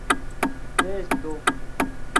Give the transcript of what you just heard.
besto